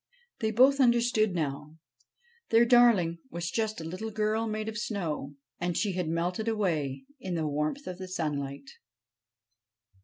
They both understood now. Their darling was just a little girl made of snow, and she had melted away in the warmth of the sunlight.